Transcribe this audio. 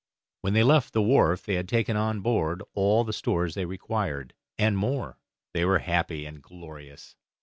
When they left the wharf they had taken on board all the stores they required, and more; they were happy and glorious.